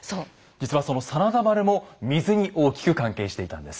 実はその真田丸も水に大きく関係していたんです。